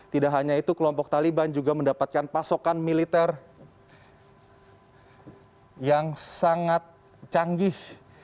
tidak hanya itu kelompok taliban juga mendapatkan pasokan militer yang sangat canggih